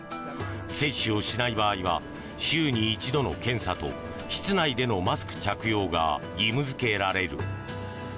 接種をしない場合は週に一度の検査と室内でのマスク着用が義務付けられる。